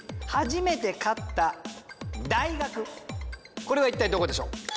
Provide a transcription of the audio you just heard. これは一体どこでしょう？